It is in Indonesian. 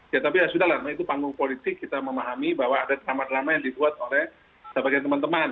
ya tapi ya sudah lah itu panggung politik kita memahami bahwa ada drama drama yang dibuat oleh sebagian teman teman